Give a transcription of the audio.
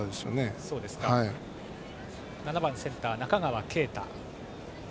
バッター７番センター中川圭太。